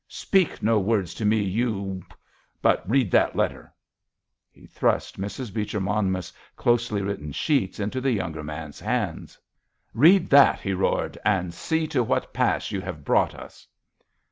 "Speak no words to me, you —— but read that letter!" He thrust Mrs. Beecher Monmouth's closely written sheets into the younger man's hands. "Read that!" he roared, "and see to what pass you have brought us!"